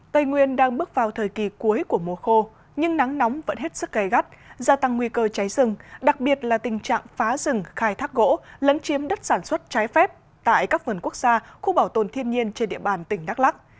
tây nguyên đang bước vào thời kỳ cuối của mùa khô nhưng nắng nóng vẫn hết sức gây gắt gia tăng nguy cơ cháy rừng đặc biệt là tình trạng phá rừng khai thác gỗ lấn chiếm đất sản xuất trái phép tại các vườn quốc gia khu bảo tồn thiên nhiên trên địa bàn tỉnh đắk lắc